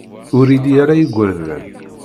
Ur ili ara igerdan.